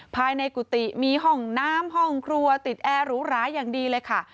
ภายในกุฏิมีห้องน้ำห้องครัวติดแอร์หรูหราอย่างดีเลยค่ะ